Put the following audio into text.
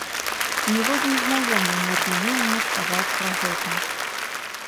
Ніводзін знаёмы не абмінуў мне сказаць пра гэта.